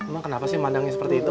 emang kenapa sih mandangnya seperti itu